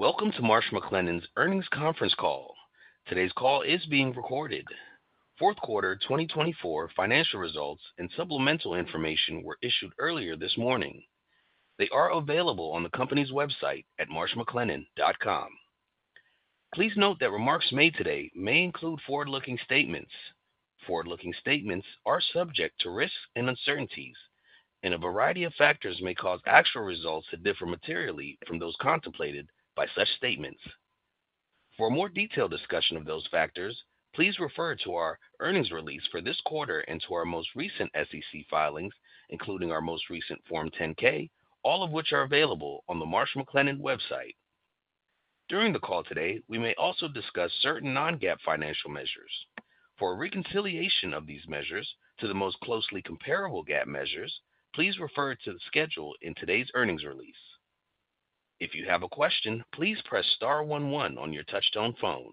Welcome to Marsh & McLennan's earnings conference call. Today's call is being recorded. Fourth quarter 2024 financial results and supplemental information were issued earlier this morning. They are available on the company's website at marshmclennan.com. Please note that remarks made today may include forward-looking statements. Forward-looking statements are subject to risks and uncertainties, and a variety of factors may cause actual results to differ materially from those contemplated by such statements. For a more detailed discussion of those factors, please refer to our earnings release for this quarter and to our most recent SEC filings, including our most recent Form 10-K, all of which are available on the Marsh & McLennan website. During the call today, we may also discuss certain non-GAAP financial measures. For a reconciliation of these measures to the most closely comparable GAAP measures, please refer to the schedule in today's earnings release. If you have a question, please press star 11 on your touch-tone phone.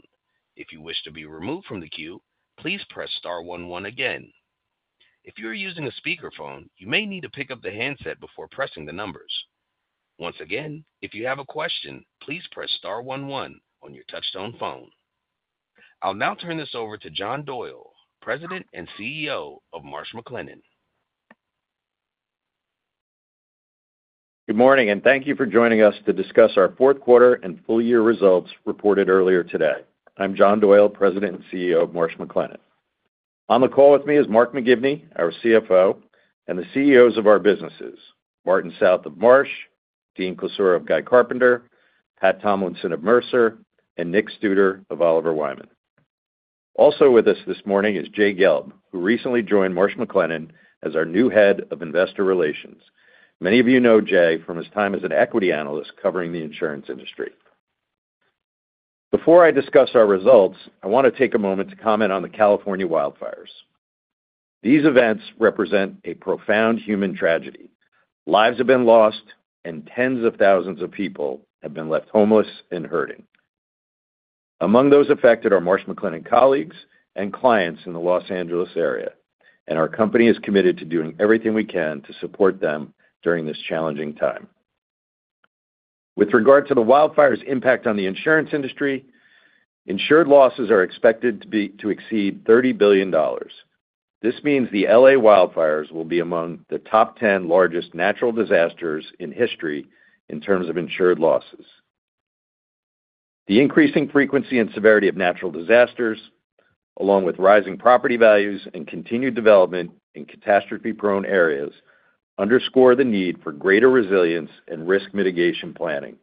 If you wish to be removed from the queue, please press star 11 again. If you are using a speakerphone, you may need to pick up the handset before pressing the numbers. Once again, if you have a question, please press star 11 on your touch-tone phone. I'll now turn this over to John Doyle, President and CEO of Marsh & McLennan. Good morning, and thank you for joining us to discuss our fourth quarter and full-year results reported earlier today. I'm John Doyle, President and CEO of Marsh & McLennan. On the call with me is Mark McGivney, our CFO, and the CEOs of our businesses: Martin South of Marsh, Dean Klisura of Guy Carpenter, Pat Tomlinson of Mercer, and Nick Studer of Oliver Wyman. Also with us this morning is Jay Gelb, who recently joined Marsh & McLennan as our new Head of Investor Relations. Many of you know Jay from his time as an equity analyst covering the insurance industry. Before I discuss our results, I want to take a moment to comment on the California wildfires. These events represent a profound human tragedy. Lives have been lost, and tens of thousands of people have been left homeless and hurting. Among those affected are Marsh & McLennan colleagues and clients in the Los Angeles area, and our company is committed to doing everything we can to support them during this challenging time. With regard to the wildfire's impact on the insurance industry, insured losses are expected to exceed $30 billion. This means the LA wildfires will be among the top 10 largest natural disasters in history in terms of insured losses. The increasing frequency and severity of natural disasters, along with rising property values and continued development in catastrophe-prone areas, underscore the need for greater resilience and risk mitigation planning.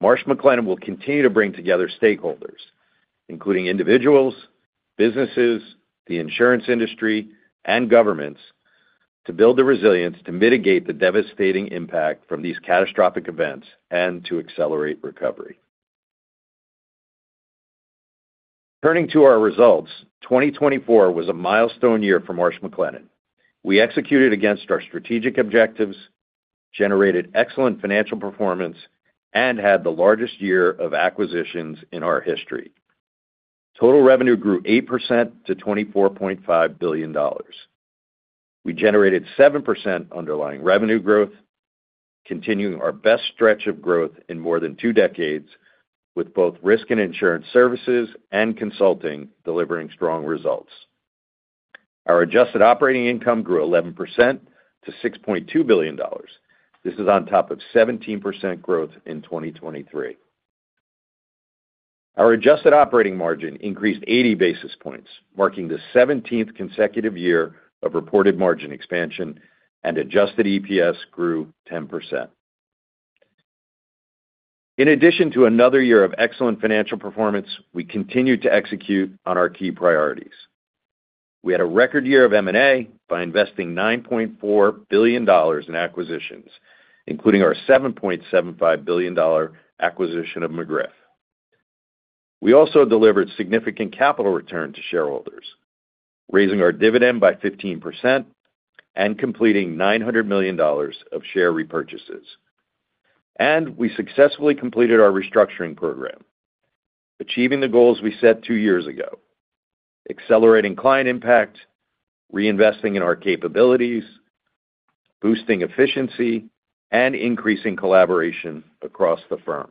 Marsh & McLennan will continue to bring together stakeholders, including individuals, businesses, the insurance industry, and governments, to build the resilience to mitigate the devastating impact from these catastrophic events and to accelerate recovery. Turning to our results, 2024 was a milestone year for Marsh & McLennan. We executed against our strategic objectives, generated excellent financial performance, and had the largest year of acquisitions in our history. Total revenue grew 8% to $24.5 billion. We generated 7% underlying revenue growth, continuing our best stretch of growth in more than two decades, with both risk and insurance services and consulting delivering strong results. Our adjusted operating income grew 11% to $6.2 billion. This is on top of 17% growth in 2023. Our adjusted operating margin increased 80 basis points, marking the 17th consecutive year of reported margin expansion, and adjusted EPS grew 10%. In addition to another year of excellent financial performance, we continued to execute on our key priorities. We had a record year of M&A by investing $9.4 billion in acquisitions, including our $7.75 billion acquisition of McGriff. We also delivered significant capital return to shareholders, raising our dividend by 15% and completing $900 million of share repurchases. And we successfully completed our restructuring program, achieving the goals we set two years ago: accelerating client impact, reinvesting in our capabilities, boosting efficiency, and increasing collaboration across the firm.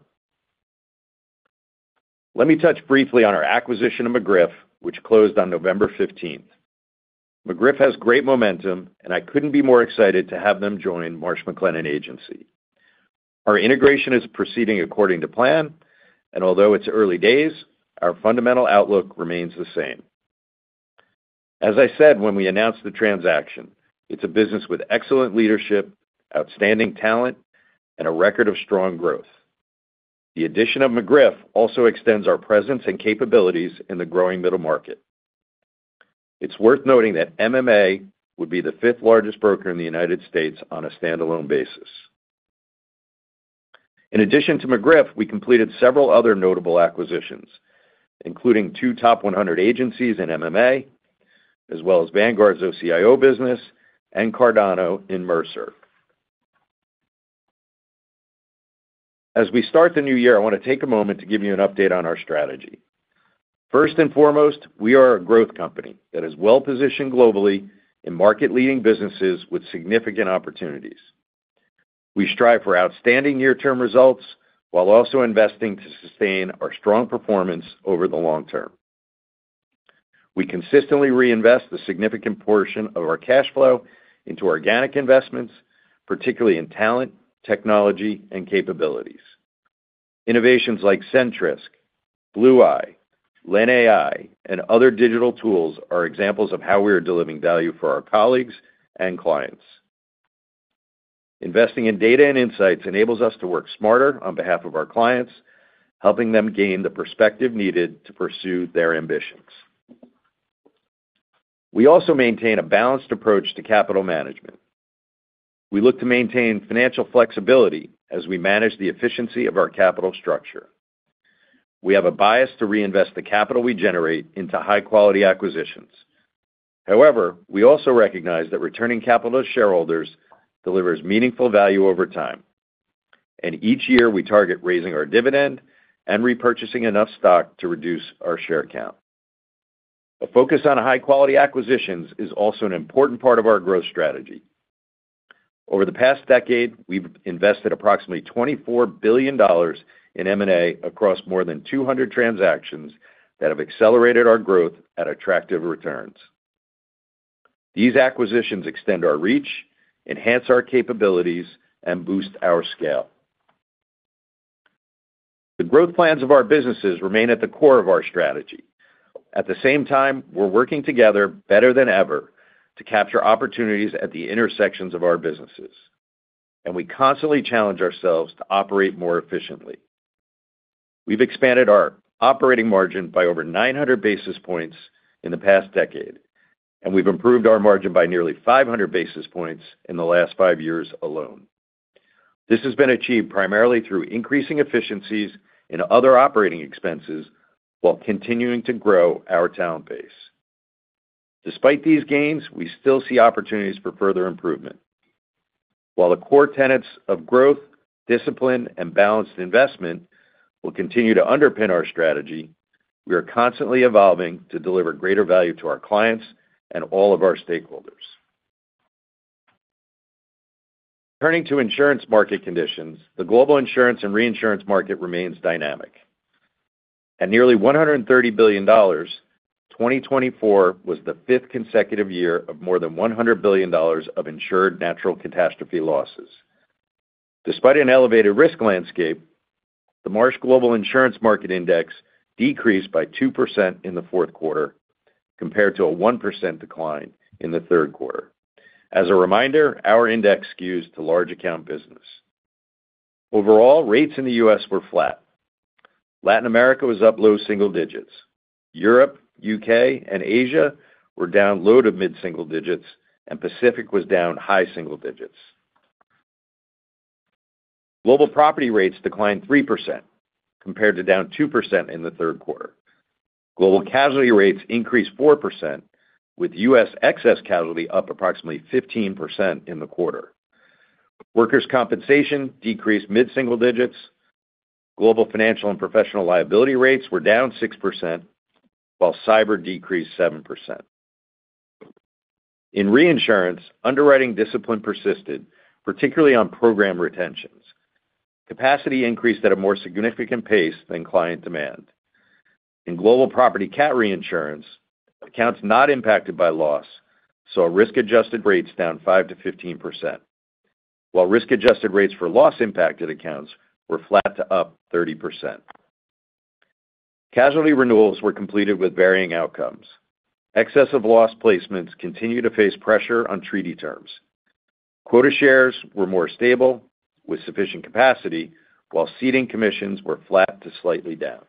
Let me touch briefly on our acquisition of McGriff, which closed on November 15th. McGriff has great momentum, and I couldn't be more excited to have them join Marsh & McLennan Agency. Our integration is proceeding according to plan, and although it's early days, our fundamental outlook remains the same. As I said when we announced the transaction, it's a business with excellent leadership, outstanding talent, and a record of strong growth. The addition of McGriff also extends our presence and capabilities in the growing middle market. It's worth noting that MMA would be the fifth largest broker in the United States on a standalone basis. In addition to McGriff, we completed several other notable acquisitions, including two top 100 agencies in MMA, as well as Vanguard's OCIO business and Cardano in Mercer. As we start the new year, I want to take a moment to give you an update on our strategy. First and foremost, we are a growth company that is well-positioned globally in market-leading businesses with significant opportunities. We strive for outstanding near-term results while also investing to sustain our strong performance over the long term. We consistently reinvest a significant portion of our cash flow into organic investments, particularly in talent, technology, and capabilities. Innovations like Sentrisk, BlueEye, LenAI, and other digital tools are examples of how we are delivering value for our colleagues and clients. Investing in data and insights enables us to work smarter on behalf of our clients, helping them gain the perspective needed to pursue their ambitions. We also maintain a balanced approach to capital management. We look to maintain financial flexibility as we manage the efficiency of our capital structure. We have a bias to reinvest the capital we generate into high-quality acquisitions. However, we also recognize that returning capital to shareholders delivers meaningful value over time, and each year we target raising our dividend and repurchasing enough stock to reduce our share count. A focus on high-quality acquisitions is also an important part of our growth strategy. Over the past decade, we've invested approximately $24 billion in M&A across more than 200 transactions that have accelerated our growth at attractive returns. These acquisitions extend our reach, enhance our capabilities, and boost our scale. The growth plans of our businesses remain at the core of our strategy. At the same time, we're working together better than ever to capture opportunities at the intersections of our businesses, and we constantly challenge ourselves to operate more efficiently. We've expanded our operating margin by over 900 basis points in the past decade, and we've improved our margin by nearly 500 basis points in the last five years alone. This has been achieved primarily through increasing efficiencies in other operating expenses while continuing to grow our talent base. Despite these gains, we still see opportunities for further improvement. While the core tenets of growth, discipline, and balanced investment will continue to underpin our strategy, we are constantly evolving to deliver greater value to our clients and all of our stakeholders. Turning to insurance market conditions, the global insurance and reinsurance market remains dynamic. At nearly $130 billion, 2024 was the fifth consecutive year of more than $100 billion of insured natural catastrophe losses. Despite an elevated risk landscape, the Marsh Global Insurance Market Index decreased by 2% in the fourth quarter compared to a 1% decline in the third quarter. As a reminder, our index skews to large-account business. Overall, rates in the U.S. were flat. Latin America was up low single digits. Europe, U.K., and Asia were down low to mid-single digits, and Pacific was down high single digits. Global property rates declined 3% compared to down 2% in the third quarter. Global casualty rates increased 4%, with U.S. excess casualty up approximately 15% in the quarter. Workers' compensation decreased mid-single digits. Global financial and professional liability rates were down 6%, while cyber decreased 7%. In reinsurance, underwriting discipline persisted, particularly on program retentions. Capacity increased at a more significant pace than client demand. In global property cat reinsurance, accounts not impacted by loss saw risk-adjusted rates down 5%-15%, while risk-adjusted rates for loss-impacted accounts were flat to up 30%. Casualty renewals were completed with varying outcomes. Excess of loss placements continued to face pressure on treaty terms. Quota shares were more stable with sufficient capacity, while ceding commissions were flat to slightly down.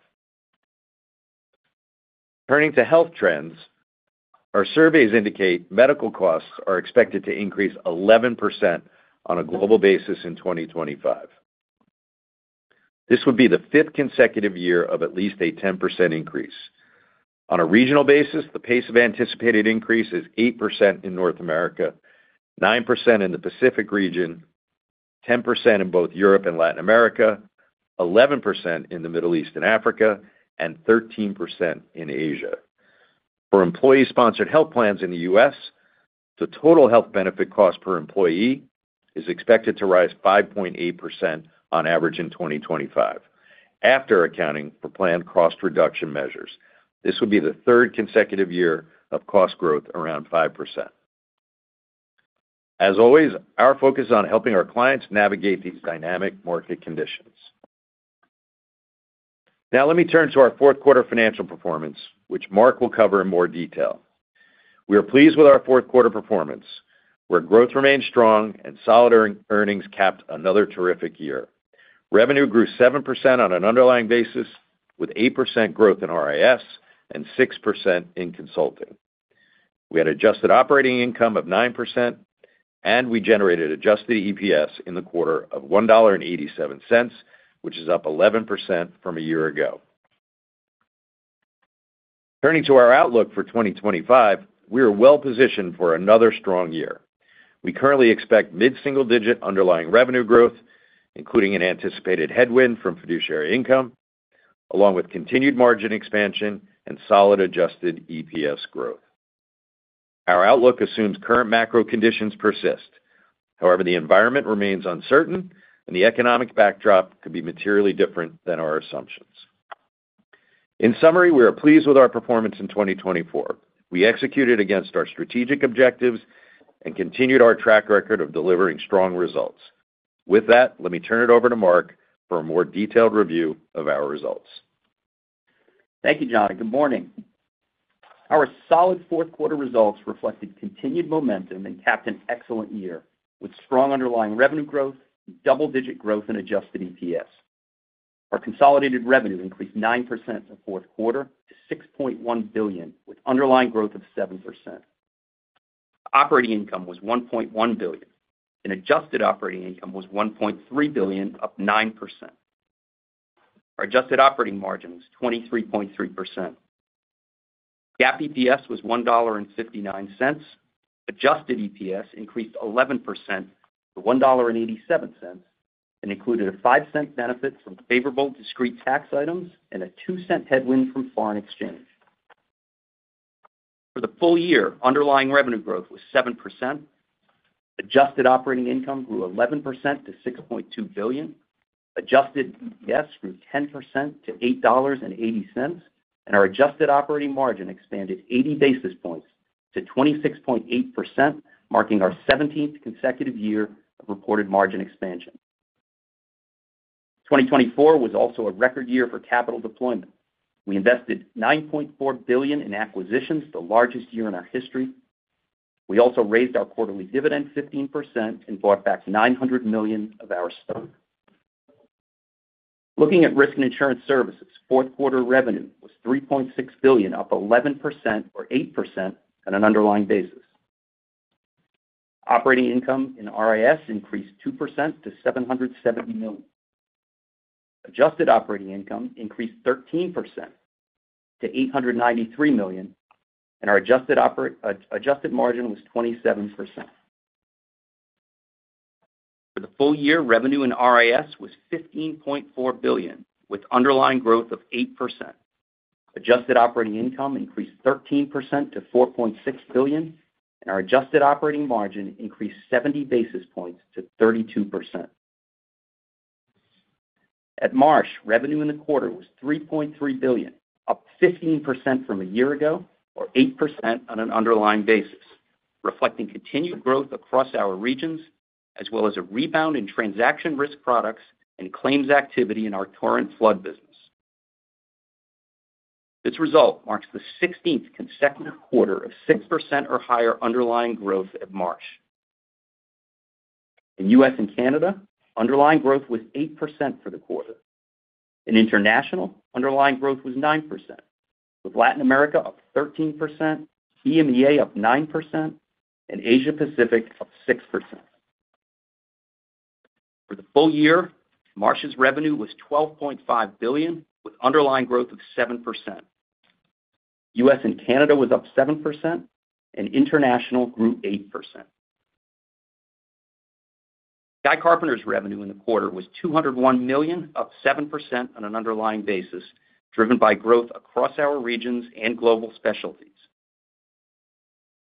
Turning to health trends, our surveys indicate medical costs are expected to increase 11% on a global basis in 2025. This would be the fifth consecutive year of at least a 10% increase. On a regional basis, the pace of anticipated increase is 8% in North America, 9% in the Pacific region, 10% in both Europe and Latin America, 11% in the Middle East and Africa, and 13% in Asia. For employee-sponsored health plans in the U.S., the total health benefit cost per employee is expected to rise 5.8% on average in 2025, after accounting for planned cost reduction measures. This would be the third consecutive year of cost growth around 5%. As always, our focus is on helping our clients navigate these dynamic market conditions. Now, let me turn to our fourth quarter financial performance, which Mark will cover in more detail. We are pleased with our fourth quarter performance, where growth remained strong and solid earnings capped another terrific year. Revenue grew 7% on an underlying basis, with 8% growth in RIS and 6% in consulting. We had adjusted operating income of 9%, and we generated adjusted EPS in the quarter of $1.87, which is up 11% from a year ago. Turning to our outlook for 2025, we are well-positioned for another strong year. We currently expect mid-single-digit underlying revenue growth, including an anticipated headwind from fiduciary income, along with continued margin expansion and solid adjusted EPS growth. Our outlook assumes current macro conditions persist. However, the environment remains uncertain, and the economic backdrop could be materially different than our assumptions. In summary, we are pleased with our performance in 2024. We executed against our strategic objectives and continued our track record of delivering strong results. With that, let me turn it over to Mark for a more detailed review of our results. Thank you, John. Good morning. Our solid fourth quarter results reflected continued momentum and capped an excellent year, with strong underlying revenue growth, double-digit growth, and adjusted EPS. Our consolidated revenue increased 9% in the fourth quarter to $6.1 billion, with underlying growth of 7%. Operating income was $1.1 billion. Adjusted operating income was $1.3 billion, up 9%. Our adjusted operating margin was 23.3%. GAAP EPS was $1.59. Adjusted EPS increased 11% to $1.87 and included a $0.05 benefit from favorable discrete tax items and a $0.02 headwind from foreign exchange. For the full year, underlying revenue growth was 7%. Adjusted operating income grew 11% to $6.2 billion. Adjusted EPS grew 10% to $8.80, and our adjusted operating margin expanded 80 basis points to 26.8%, marking our 17th consecutive year of reported margin expansion. 2024 was also a record year for capital deployment. We invested $9.4 billion in acquisitions, the largest year in our history. We also raised our quarterly dividend 15% and bought back $900 million of our stock. Looking at risk and insurance services, fourth quarter revenue was $3.6 billion, up 11% or 8% on an underlying basis. Operating income in RIS increased 2% to $770 million. Adjusted operating income increased 13% to $893 million, and our adjusted margin was 27%. For the full year, revenue in RIS was $15.4 billion, with underlying growth of 8%. Adjusted operating income increased 13% to $4.6 billion, and our adjusted operating margin increased 70 basis points to 32%. At Marsh, revenue in the quarter was $3.3 billion, up 15% from a year ago or 8% on an underlying basis, reflecting continued growth across our regions, as well as a rebound in transaction risk products and claims activity in our Torrent flood business. This result marks the 16th consecutive quarter of 6% or higher underlying growth at Marsh. In U.S. and Canada, underlying growth was 8% for the quarter. In International, underlying growth was 9%, with Latin America up 13%, EMEA up 9%, and Asia-Pacific up 6%. For the full year, Marsh's revenue was $12.5 billion, with underlying growth of 7%. U.S. and Canada was up 7%, and international grew 8%. Guy Carpenter's revenue in the quarter was $201 million, up 7% on an underlying basis, driven by growth across our regions and global specialties.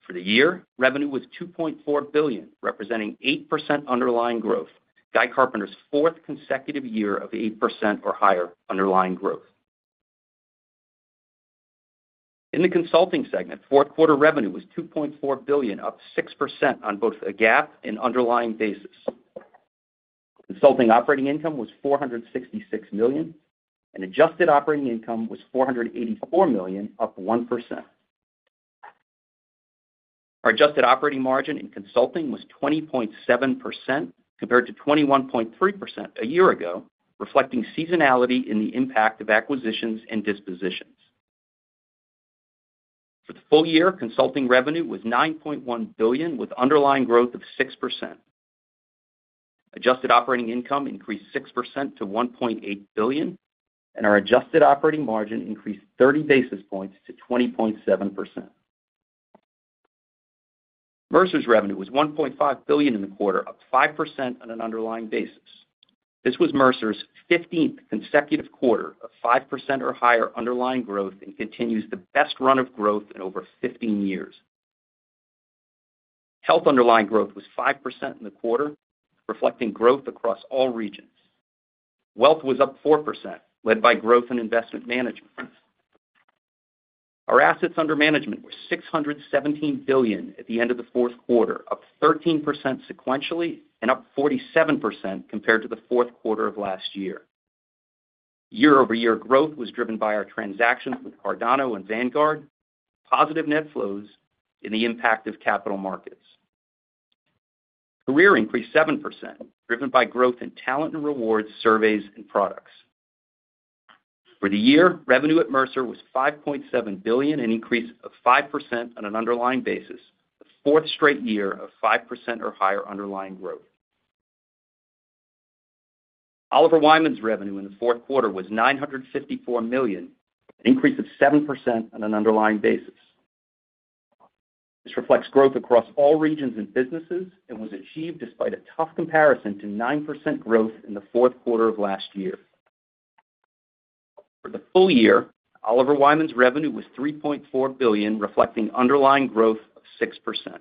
For the year, revenue was $2.4 billion, representing 8% underlying growth, Guy Carpenter's fourth consecutive year of 8% or higher underlying growth. In the consulting segment, fourth quarter revenue was $2.4 billion, up 6% on both a GAAP and underlying basis. Consulting operating income was $466 million, and adjusted operating income was $484 million, up 1%. Our adjusted operating margin in consulting was 20.7% compared to 21.3% a year ago, reflecting seasonality in the impact of acquisitions and dispositions. For the full year, consulting revenue was $9.1 billion, with underlying growth of 6%. Adjusted operating income increased 6% to $1.8 billion, and our adjusted operating margin increased 30 basis points to 20.7%. Mercer's revenue was $1.5 billion in the quarter, up 5% on an underlying basis. This was Mercer's 15th consecutive quarter of 5% or higher underlying growth and continues the best run of growth in over 15 years. Health underlying growth was 5% in the quarter, reflecting growth across all regions. Wealth was up 4%, led by growth and investment management. Our assets under management were $617 billion at the end of the fourth quarter, up 13% sequentially and up 47% compared to the fourth quarter of last year. Year-over-year growth was driven by our transactions with Cardano and Vanguard, positive net flows, and the impact of capital markets. Career increased 7%, driven by growth in talent and rewards, surveys, and products. For the year, revenue at Mercer was $5.7 billion, an increase of 5% on an underlying basis, the fourth straight year of 5% or higher underlying growth. Oliver Wyman's revenue in the fourth quarter was $954 million, an increase of 7% on an underlying basis. This reflects growth across all regions and businesses and was achieved despite a tough comparison to 9% growth in the fourth quarter of last year. For the full year, Oliver Wyman's revenue was $3.4 billion, reflecting underlying growth of 6%.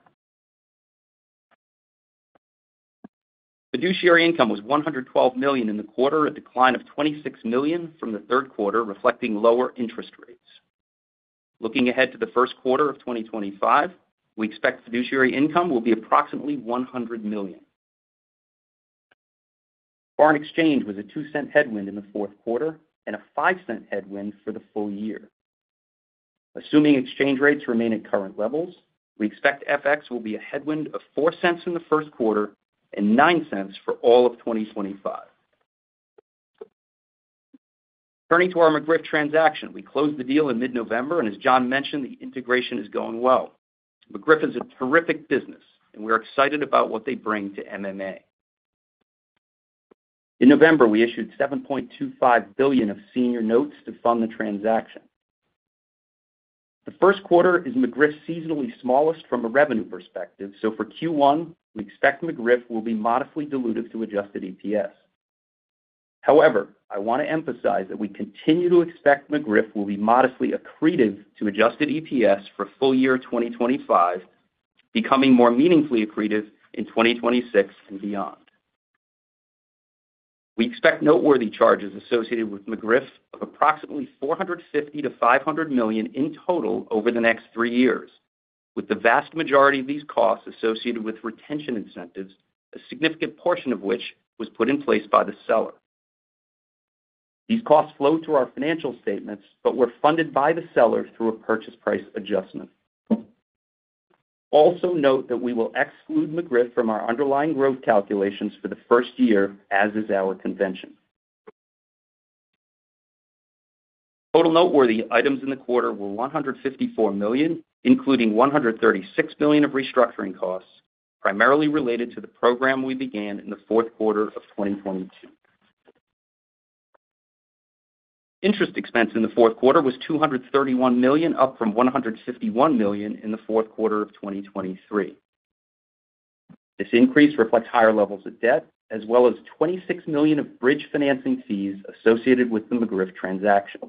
Fiduciary income was $112 million in the quarter, a decline of $26 million from the third quarter, reflecting lower interest rates. Looking ahead to the first quarter of 2025, we expect fiduciary income will be approximately $100 million. Foreign exchange was a $0.02 headwind in the fourth quarter and a $0.05 headwind for the full year. Assuming exchange rates remain at current levels, we expect FX will be a headwind of $0.04 in the first quarter and $0.09 for all of 2025. Turning to our McGriff transaction, we closed the deal in mid-November, and as John mentioned, the integration is going well. McGriff is a terrific business, and we're excited about what they bring to MMA. In November, we issued $7.25 billion of senior notes to fund the transaction. The first quarter is McGriff's seasonally smallest from a revenue perspective, so for Q1, we expect McGriff will be modestly diluted to adjusted EPS. However, I want to emphasize that we continue to expect McGriff will be modestly accretive to adjusted EPS for full year 2025, becoming more meaningfully accretive in 2026 and beyond. We expect noteworthy charges associated with McGriff of approximately $450 million-$500 million in total over the next three years, with the vast majority of these costs associated with retention incentives, a significant portion of which was put in place by the seller. These costs flow through our financial statements, but were funded by the seller through a purchase price adjustment. Also note that we will exclude McGriff from our underlying growth calculations for the first year, as is our convention. Total noteworthy items in the quarter were $154 million, including $136 million of restructuring costs, primarily related to the program we began in the fourth quarter of 2022. Interest expense in the fourth quarter was $231 million, up from $151 million in the fourth quarter of 2023. This increase reflects higher levels of debt, as well as $26 million of bridge financing fees associated with the McGriff transaction.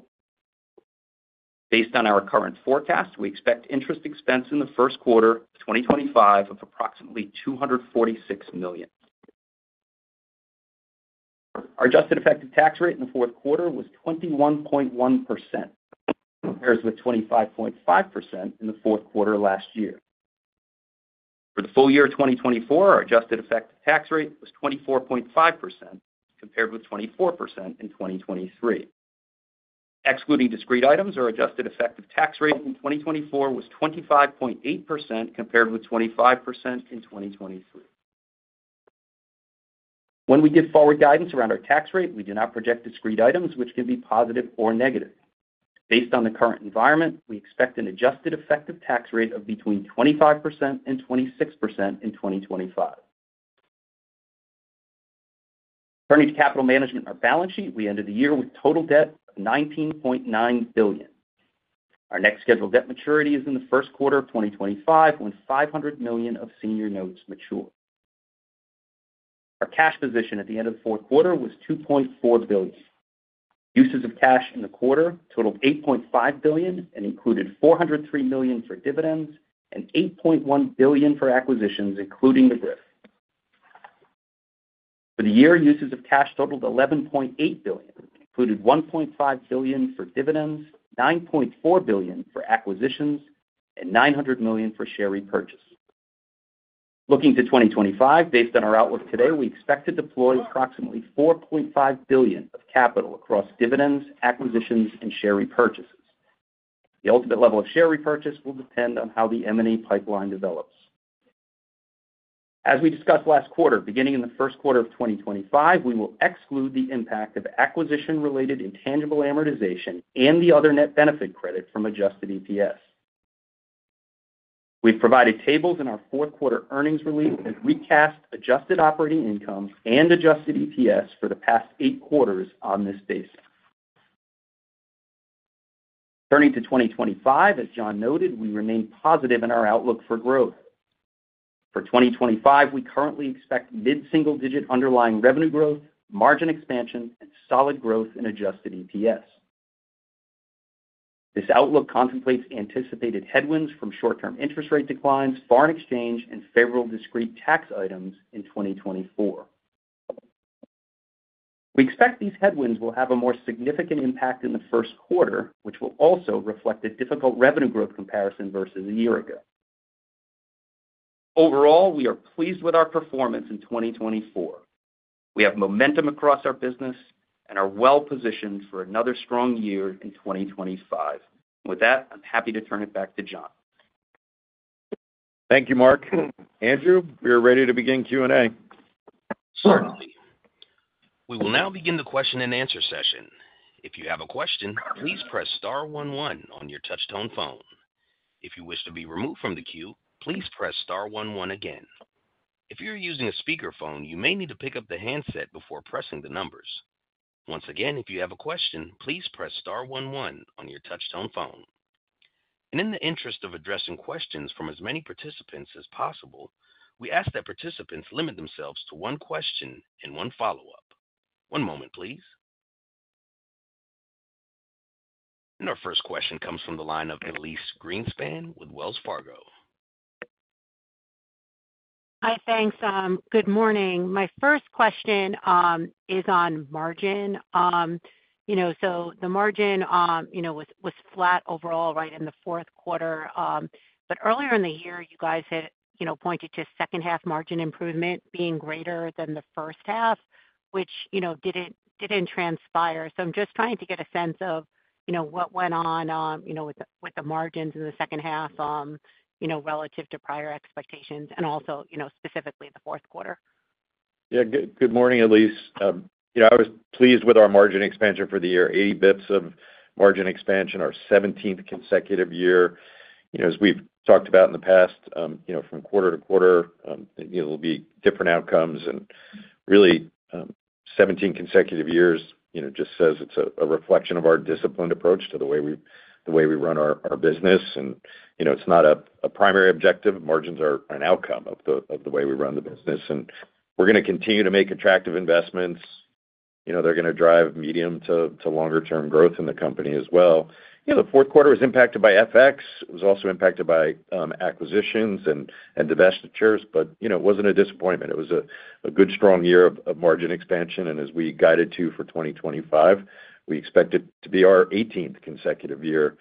Based on our current forecast, we expect interest expense in the first quarter of 2025 of approximately $246 million. Our adjusted effective tax rate in the fourth quarter was 21.1%, compared with 25.5% in the fourth quarter last year. For the full year of 2024, our adjusted effective tax rate was 24.5%, compared with 24% in 2023. Excluding discrete items, our adjusted effective tax rate in 2024 was 25.8%, compared with 25% in 2023. When we give forward guidance around our tax rate, we do not project discrete items, which can be positive or negative. Based on the current environment, we expect an adjusted effective tax rate of between 25% and 26% in 2025. Turning to capital management, our balance sheet, we ended the year with total debt of $19.9 billion. Our next scheduled debt maturity is in the first quarter of 2025, when $500 million of senior notes mature. Our cash position at the end of the fourth quarter was $2.4 billion. Uses of cash in the quarter totaled $8.5 billion and included $403 million for dividends and $8.1 billion for acquisitions, including McGriff. For the year, uses of cash totaled $11.8 billion, included $1.5 billion for dividends, $9.4 billion for acquisitions, and $900 million for share repurchase. Looking to 2025, based on our outlook today, we expect to deploy approximately $4.5 billion of capital across dividends, acquisitions, and share repurchases. The ultimate level of share repurchase will depend on how the M&A pipeline develops. As we discussed last quarter, beginning in the first quarter of 2025, we will exclude the impact of acquisition-related intangible amortization and the other net benefit credit from adjusted EPS. We've provided tables in our fourth quarter earnings release that recast adjusted operating incomes and adjusted EPS for the past eight quarters on this basis. Turning to 2025, as John noted, we remain positive in our outlook for growth. For 2025, we currently expect mid-single-digit underlying revenue growth, margin expansion, and solid growth in adjusted EPS. This outlook contemplates anticipated headwinds from short-term interest rate declines, foreign exchange, and favorable discrete tax items in 2024. We expect these headwinds will have a more significant impact in the first quarter, which will also reflect a difficult revenue growth comparison versus a year ago. Overall, we are pleased with our performance in 2024. We have momentum across our business and are well-positioned for another strong year in 2025. With that, I'm happy to turn it back to John. Thank you, Mark. Andrew, we are ready to begin Q&A. Certainly. We will now begin the question-and-answer session. If you have a question, please press star 11 on your touch-tone phone. If you wish to be removed from the queue, please press star 11 again. If you're using a speakerphone, you may need to pick up the handset before pressing the numbers. Once again, if you have a question, please press star 11 on your touch-tone phone. And in the interest of addressing questions from as many participants as possible, we ask that participants limit themselves to one question and one follow-up. One moment, please. And our first question comes from the line of Elise Greenspan with Wells Fargo. Hi, thanks. Good morning. My first question is on margin. So the margin was flat overall right in the fourth quarter. But earlier in the year, you guys had pointed to second-half margin improvement being greater than the first half, which didn't transpire. So I'm just trying to get a sense of what went on with the margins in the second half relative to prior expectations and also specifically the fourth quarter. Yeah. Good morning, Elyse. I was pleased with our margin expansion for the year. 80 basis points of margin expansion, our 17th consecutive year. As we've talked about in the past, from quarter to quarter, there will be different outcomes, and really, 17 consecutive years just says it's a reflection of our disciplined approach to the way we run our business, and it's not a primary objective. Margins are an outcome of the way we run the business, and we're going to continue to make attractive investments. They're going to drive medium to longer-term growth in the company as well. The fourth quarter was impacted by FX. It was also impacted by acquisitions and divestitures, but it wasn't a disappointment. It was a good, strong year of margin expansion, and as we guided to for 2025, we expect it to be our 18th consecutive year of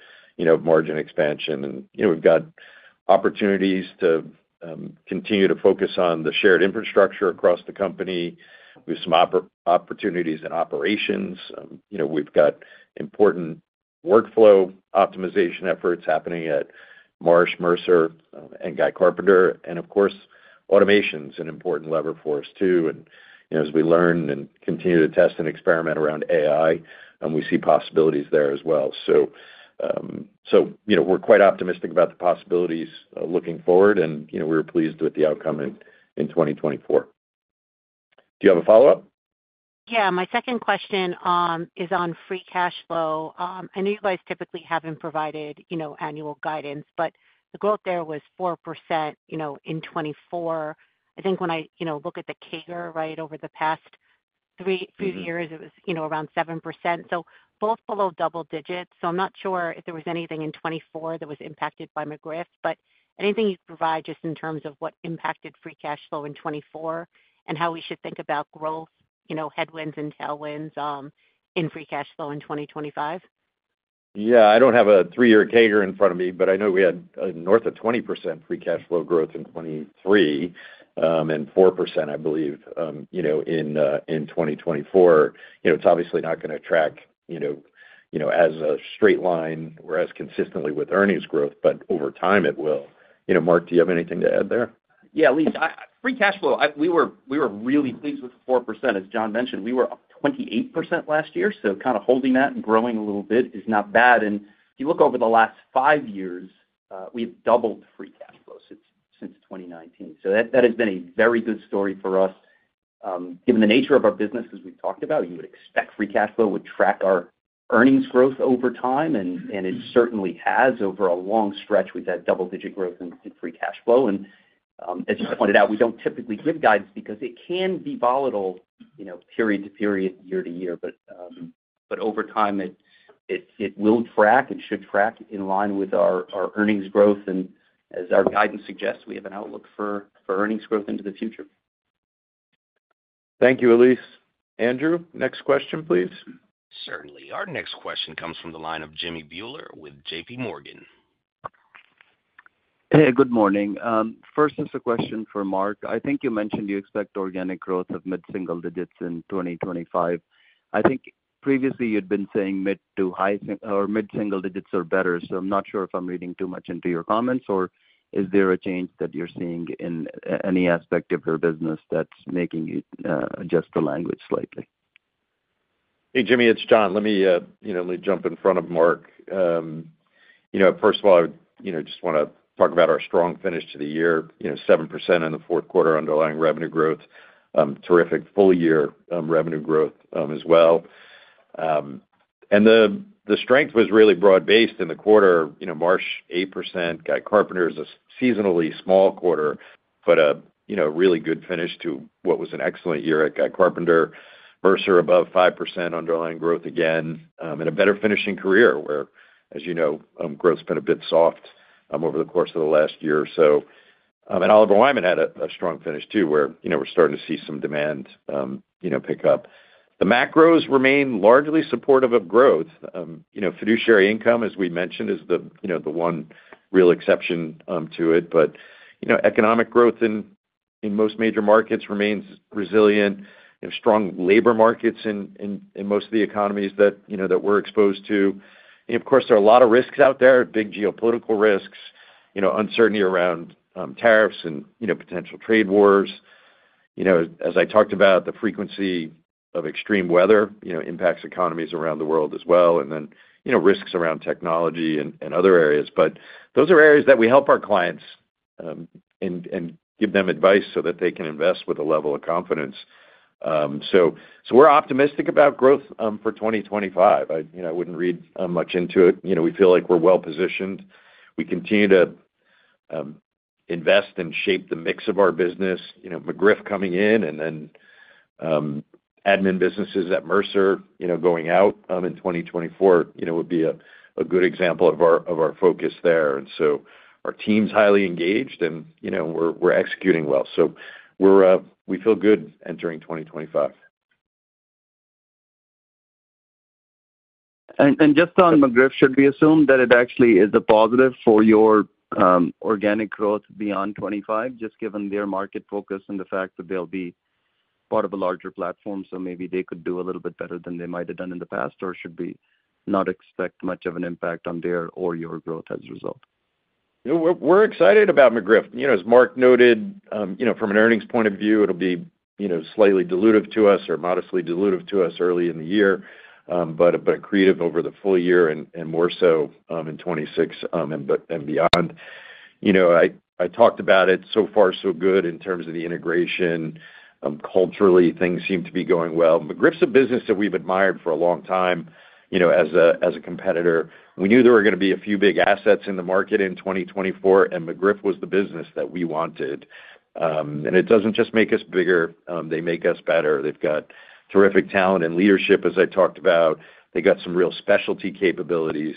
margin expansion, and we've got opportunities to continue to focus on the shared infrastructure across the company. We have some opportunities in operations. We've got important workflow optimization efforts happening at Marsh, Mercer, and Guy Carpenter. And of course, automation is an important lever for us too. And as we learn and continue to test and experiment around AI, we see possibilities there as well. So we're quite optimistic about the possibilities looking forward. And we're pleased with the outcome in 2024. Do you have a follow-up? Yeah. My second question is on free cash flow. I know you guys typically haven't provided annual guidance, but the growth there was 4% in 2024. I think when I look at the CAGR, right, over the past few years, it was around 7%. So both below double digits. So I'm not sure if there was anything in 2024 that was impacted by McGriff. But anything you could provide just in terms of what impacted free cash flow in 2024 and how we should think about growth, headwinds and tailwinds in free cash flow in 2025? Yeah. I don't have a three-year CAGR in front of me, but I know we had north of 20% free cash flow growth in 2023 and 4%, I believe, in 2024. It's obviously not going to track as a straight line or as consistently with earnings growth, but over time, it will. Mark, do you have anything to add there? Yeah, Elise. Free cash flow, we were really pleased with the 4%. As John mentioned, we were up 28% last year. So kind of holding that and growing a little bit is not bad. And if you look over the last five years, we've doubled free cash flow since 2019. So that has been a very good story for us. Given the nature of our business, as we've talked about, you would expect free cash flow would track our earnings growth over time. And it certainly has. Over a long stretch, we've had double-digit growth in free cash flow. And as you pointed out, we don't typically give guidance because it can be volatile period to period, year-to-year. But over time, it will track and should track in line with our earnings growth. And as our guidance suggests, we have an outlook for earnings growth into the future. Thank you, Elyse. Andrew, next question, please. Certainly. Our next question comes from the line of Jimmy Bhullar with JPMorgan. Hey, good morning. First, just a question for Mark. I think you mentioned you expect organic growth of mid-single digits in 2025. I think previously you'd been saying mid to high or mid-single digits are better. So I'm not sure if I'm reading too much into your comments, or is there a change that you're seeing in any aspect of your business that's making you adjust the language slightly? Hey, Jimmy, it's John. Let me jump in front of Mark. First of all, I just want to talk about our strong finish to the year, 7% in the fourth quarter underlying revenue growth, terrific full-year revenue growth as well, and the strength was really broad-based in the quarter. Marsh, 8%. Guy Carpenter is a seasonally small quarter, but a really good finish to what was an excellent year at Guy Carpenter. Mercer, above 5% underlying growth again, and a better finish in Career where, as you know, growth's been a bit soft over the course of the last year. Oliver Wyman had a strong finish too where we're starting to see some demand pick up. The macros remain largely supportive of growth. Fiduciary income, as we mentioned, is the one real exception to it. Economic growth in most major markets remains resilient. Strong labor markets in most of the economies that we're exposed to. Of course, there are a lot of risks out there, big geopolitical risks, uncertainty around tariffs and potential trade wars. As I talked about, the frequency of extreme weather impacts economies around the world as well. Then risks around technology and other areas. Those are areas that we help our clients and give them advice so that they can invest with a level of confidence. We're optimistic about growth for 2025. I wouldn't read much into it. We feel like we're well-positioned. We continue to invest and shape the mix of our business. McGriff coming in and then admin businesses at Mercer going out in 2024 would be a good example of our focus there, and so our team's highly engaged, and we're executing well, so we feel good entering 2025, and just on McGriff, should we assume that it actually is a positive for your organic growth beyond 2025, just given their market focus and the fact that they'll be part of a larger platform, so maybe they could do a little bit better than they might have done in the past or should not expect much of an impact on their or your growth as a result? We're excited about McGriff. As Mark noted, from an earnings point of view, it'll be slightly dilutive to us or modestly dilutive to us early in the year, but accretive over the full year and more so in 2026 and beyond. I talked about it so far, so good in terms of the integration. Culturally, things seem to be going well. McGriff's a business that we've admired for a long time as a competitor. We knew there were going to be a few big assets in the market in 2024, and McGriff was the business that we wanted. And it doesn't just make us bigger. They make us better. They've got terrific talent and leadership, as I talked about. They've got some real specialty capabilities.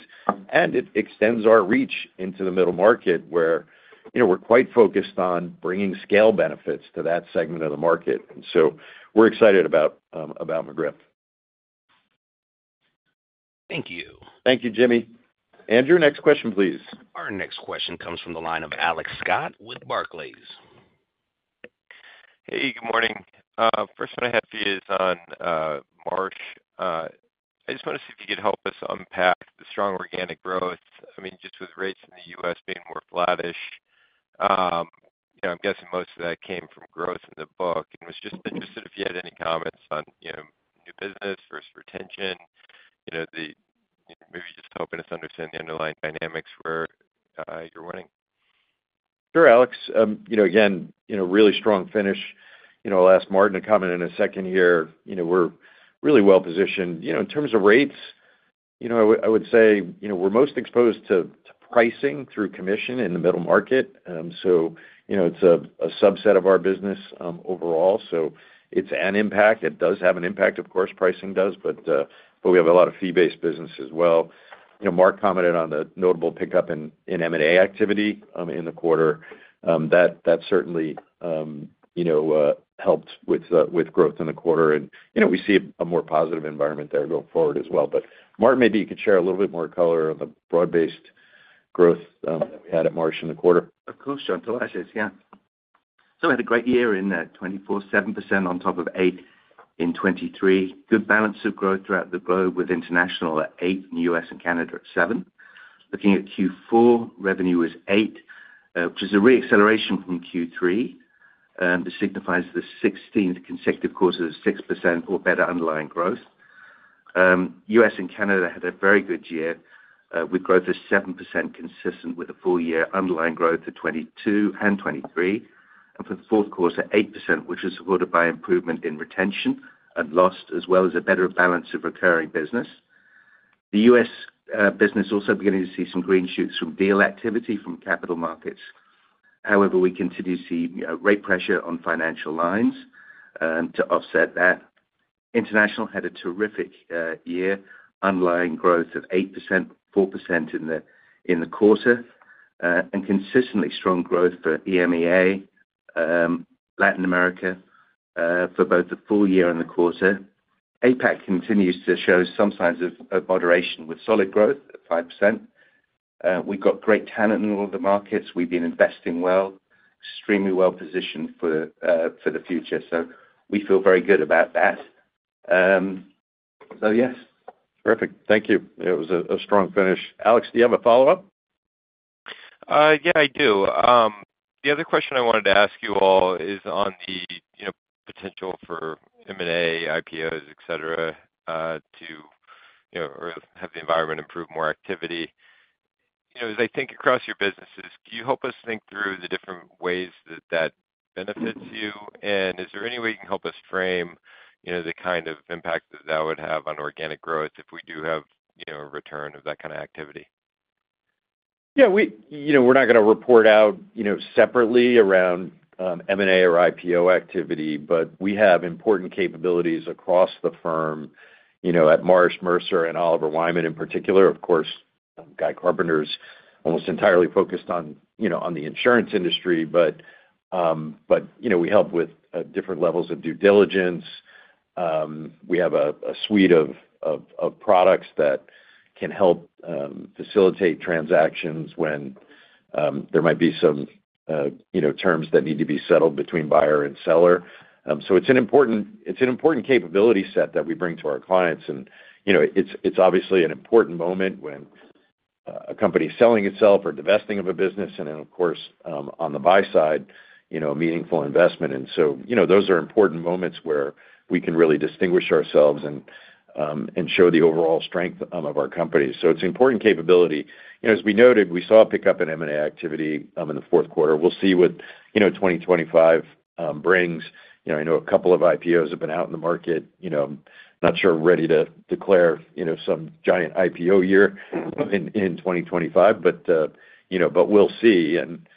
And it extends our reach into the middle market where we're quite focused on bringing scale benefits to that segment of the market. And so we're excited about McGriff. Thank you. Thank you, Jimmy. Andrew, next question, please. Our next question comes from the line of Alex Scott with Barclays. Hey, good morning. First one I have for you is on Marsh. I just want to see if you could help us unpack the strong organic growth. I mean, just with rates in the U.S. being more flattish, I'm guessing most of that came from growth in the book. And was just interested if you had any comments on new business versus retention. Maybe just helping us understand the underlying dynamics where you're winning. Sure, Alex. Again, really strong finish. I'll ask Martin a comment in a second here. We're really well-positioned. In terms of rates, I would say we're most exposed to pricing through commission in the middle market. So it's a subset of our business overall. So it's an impact. It does have an impact, of course, pricing does. But we have a lot of fee-based business as well. Mark commented on the notable pickup in M&A activity in the quarter. That certainly helped with growth in the quarter. And we see a more positive environment there going forward as well. But Mark, maybe you could share a little bit more color on the broad-based growth that we had at Marsh in the quarter. Of course, John. Let me say, yeah. So we had a great year in 2024, 7% on top of 8% in 2023. Good balance of growth throughout the globe with international at 8% and U.S. and Canada at 7%. Looking at Q4, revenue was 8%, which is a reacceleration from Q3. This signifies the 16th consecutive quarter of 6% or better underlying growth. U.S. and Canada had a very good year with growth of 7% consistent with a full-year underlying growth of 2022 and 2023. For the fourth quarter, 8%, which was supported by improvement in retention and loss, as well as a better balance of recurring business. The U.S. business also beginning to see some green shoots from deal activity from capital markets. However, we continue to see rate pressure on financial lines to offset that. International had a terrific year, underlying growth of 8%, 4% in the quarter. Consistently strong growth for EMEA, Latin America for both the full year and the quarter. APAC continues to show some signs of moderation with solid growth at 5%. We've got great talent in all of the markets. We've been investing well, extremely well-positioned for the future. So we feel very good about that. So yes. Terrific. Thank you. It was a strong finish. Alex, do you have a follow-up? Yeah, I do. The other question I wanted to ask you all is on the potential for M&A, IPOs, etc., to have the environment improve more activity. As I think across your businesses, can you help us think through the different ways that that benefits you? And is there any way you can help us frame the kind of impact that that would have on organic growth if we do have a return of that kind of activity? Yeah. We're not going to report out separately around M&A or IPO activity, but we have important capabilities across the firm at Marsh, Mercer, and Oliver Wyman in particular. Of course, Guy Carpenter's almost entirely focused on the insurance industry, but we help with different levels of due diligence. We have a suite of products that can help facilitate transactions when there might be some terms that need to be settled between buyer and seller. So it's an important capability set that we bring to our clients. And it's obviously an important moment when a company is selling itself or divesting of a business. And then, of course, on the buy side, a meaningful investment. And so those are important moments where we can really distinguish ourselves and show the overall strength of our company. So it's an important capability. As we noted, we saw a pickup in M&A activity in the fourth quarter. We'll see what 2025 brings. I know a couple of IPOs have been out in the market. Not sure we're ready to declare some giant IPO year in 2025, but we'll see. And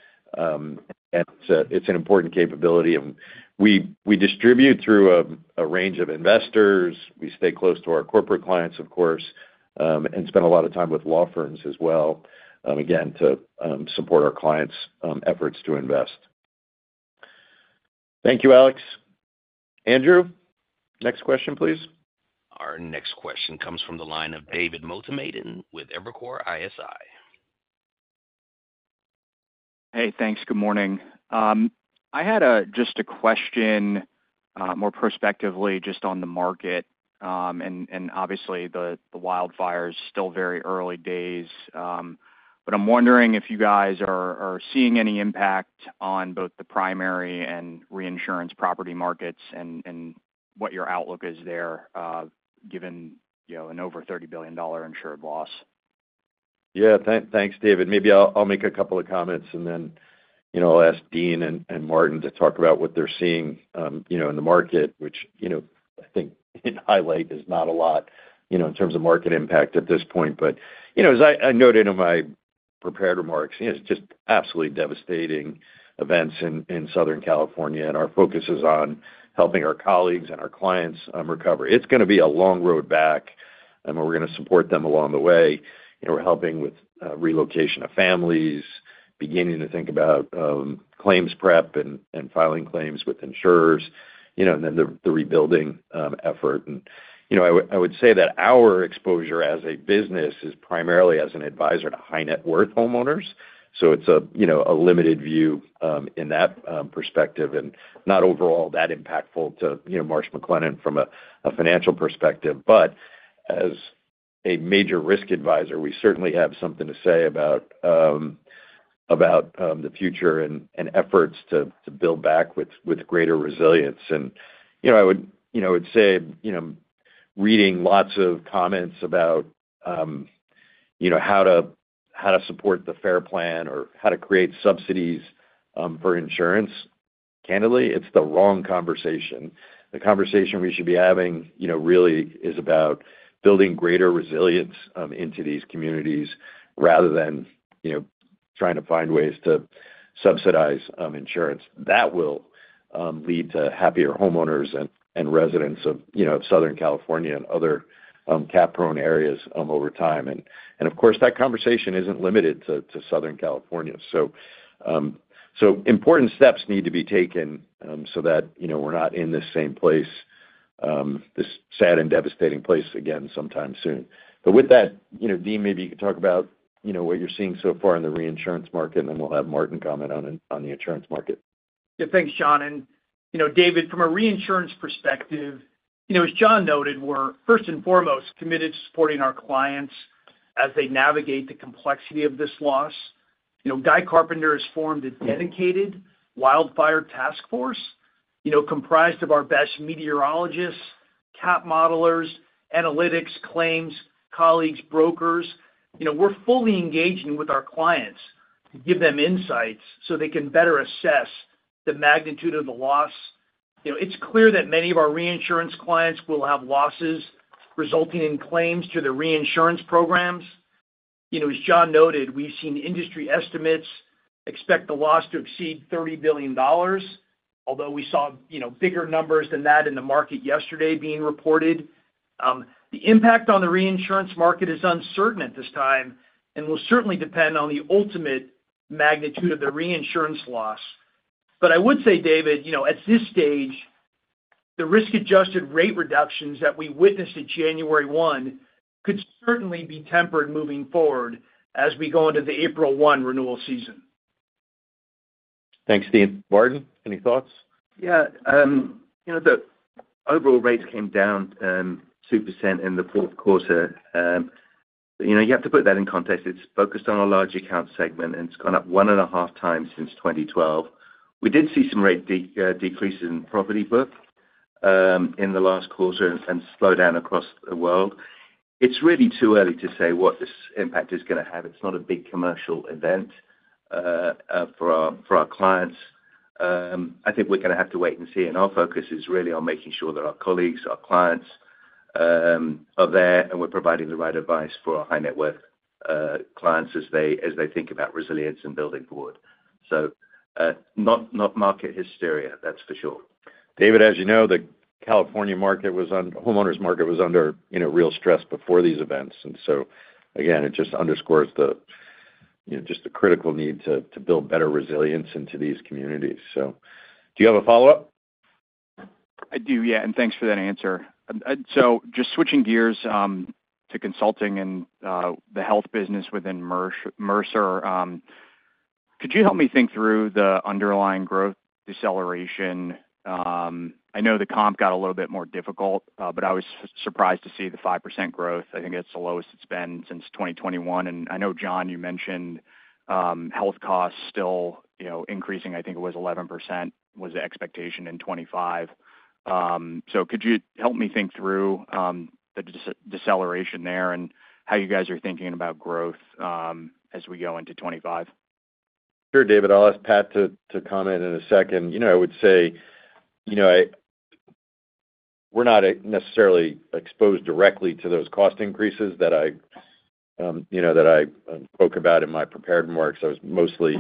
it's an important capability. And we distribute through a range of investors. We stay close to our corporate clients, of course, and spend a lot of time with law firms as well, again, to support our clients' efforts to invest. Thank you, Alex. Andrew, next question, please. Our next question comes from the line of David Motemaden with Evercore ISI. Hey, thanks. Good morning. I had just a question more prospectively just on the market, and obviously, the wildfire is still very early days. But I'm wondering if you guys are seeing any impact on both the primary and reinsurance property markets and what your outlook is there given an over $30 billion insured loss. Yeah, thanks, David. Maybe I'll make a couple of comments, and then I'll ask Dean and Martin to talk about what they're seeing in the market, which I think in hindsight is not a lot in terms of market impact at this point. But as I noted in my prepared remarks, it's just absolutely devastating events in Southern California. And our focus is on helping our colleagues and our clients recover. It's going to be a long road back, and we're going to support them along the way. We're helping with relocation of families, beginning to think about claims prep and filing claims with insurers, and then the rebuilding effort. And I would say that our exposure as a business is primarily as an advisor to high-net-worth homeowners. So it's a limited view in that perspective and not overall that impactful to Marsh & McLennan from a financial perspective. But as a major risk advisor, we certainly have something to say about the future and efforts to build back with greater resilience. I would say reading lots of comments about how to support the FAIR Plan or how to create subsidies for insurance, candidly, it's the wrong conversation. The conversation we should be having really is about building greater resilience into these communities rather than trying to find ways to subsidize insurance. That will lead to happier homeowners and residents of Southern California and other cat-prone areas over time. Of course, that conversation isn't limited to Southern California. Important steps need to be taken so that we're not in this same place, this sad and devastating place again sometime soon. With that, Dean, maybe you could talk about what you're seeing so far in the reinsurance market, and then we'll have Martin comment on the insurance market. Yeah, thanks, John. And David, from a reinsurance perspective, as John noted, we're first and foremost committed to supporting our clients as they navigate the complexity of this loss. Guy Carpenter has formed a dedicated wildfire task force comprised of our best meteorologists, cat modelers, analytics, claims, colleagues, brokers. We're fully engaging with our clients to give them insights so they can better assess the magnitude of the loss. It's clear that many of our reinsurance clients will have losses resulting in claims to their reinsurance programs. As John noted, we've seen industry estimates expect the loss to exceed $30 billion, although we saw bigger numbers than that in the market yesterday being reported. The impact on the reinsurance market is uncertain at this time and will certainly depend on the ultimate magnitude of the reinsurance loss. But I would say, David, at this stage, the risk-adjusted rate reductions that we witnessed at January 1 could certainly be tempered moving forward as we go into the April 1 renewal season. Thanks, Dean. Martin, any thoughts? Yeah. The overall rates came down 2% in the fourth quarter. But you have to put that in context. It's focused on a large account segment, and it's gone up one and a half times since 2012. We did see some rate decreases in property book in the last quarter and slow down across the world. It's really too early to say what this impact is going to have. It's not a big commercial event for our clients. I think we're going to have to wait and see. And our focus is really on making sure that our colleagues, our clients are there, and we're providing the right advice for our high-net-worth clients as they think about resilience and building forward. So not market hysteria, that's for sure. David, as you know, the California homeowners market was under real stress before these events. And so again, it underscores the critical need to build better resilience into these communities. So do you have a follow-up? I do, yeah. And thanks for that answer. So just switching gears to consulting and the health business within Mercer, could you help me think through the underlying growth deceleration? I know the comp got a little bit more difficult, but I was surprised to see the 5% growth. I think it's the lowest it's been since 2021. And I know, John, you mentioned health costs still increasing. I think it was 11% was the expectation in 2025. So could you help me think through the deceleration there and how you guys are thinking about growth as we go into 2025? Sure, David. I'll ask Pat to comment in a second. I would say we're not necessarily exposed directly to those cost increases that I spoke about in my prepared remarks. I was mostly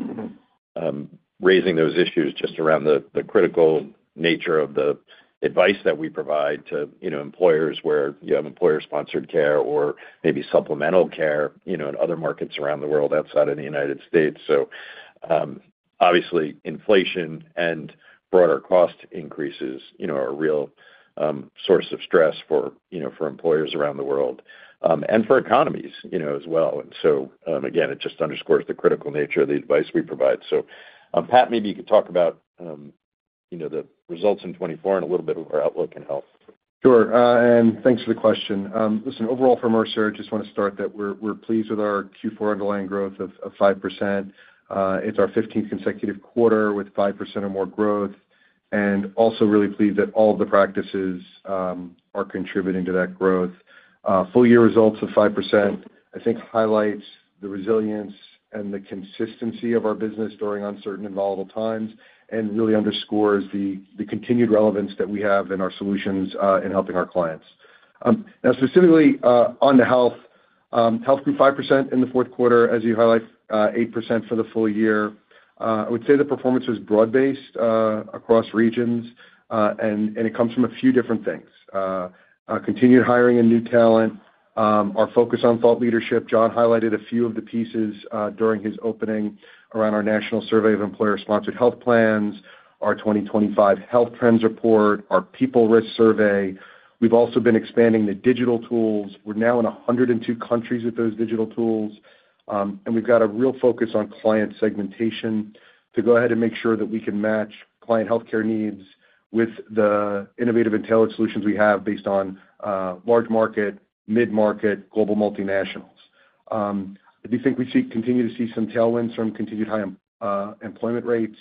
raising those issues just around the critical nature of the advice that we provide to employers where you have employer-sponsored care or maybe supplemental care in other markets around the world outside of the United States. So obviously, inflation and broader cost increases are a real source of stress for employers around the world and for economies as well. And so again, it just underscores the critical nature of the advice we provide. Pat, maybe you could talk about the results in 2024 and a little bit of our outlook in health. Sure. And thanks for the question. Listen, overall for Mercer, I just want to start that we're pleased with our Q4 underlying growth of 5%. It's our 15th consecutive quarter with 5% or more growth. And also really pleased that all of the practices are contributing to that growth. Full-year results of 5%, I think, highlights the resilience and the consistency of our business during uncertain and volatile times and really underscores the continued relevance that we have in our solutions in helping our clients. Now, specifically on the health, health grew 5% in the fourth quarter, as you highlight, 8% for the full year. I would say the performance was broad-based across regions, and it comes from a few different things: continued hiring and new talent, our focus on thought leadership. John highlighted a few of the pieces during his opening around our national survey of employer-sponsored health plans, our 2025 health trends report, our people risk survey. We've also been expanding the digital tools. We're now in 102 countries with those digital tools, and we've got a real focus on client segmentation to go ahead and make sure that we can match client healthcare needs with the innovative intelligence solutions we have based on large market, mid-market, global multinationals. I do think we continue to see some tailwinds from continued high employment rates,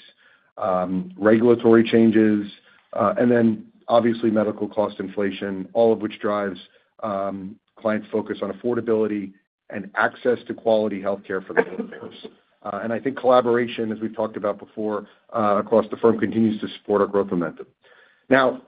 regulatory changes, and then obviously medical cost inflation, all of which drives clients' focus on affordability and access to quality healthcare for the workers. And I think collaboration, as we've talked about before, across the firm continues to support our growth momentum. Now,